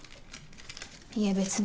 いえ別に。